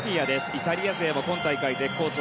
イタリア勢も今大会、絶好調。